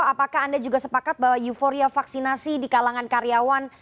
apakah anda juga sepakat bahwa euforia vaksinasi di kalangan karyawan